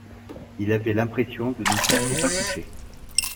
Il avait l’impression de ne s’être pas couché.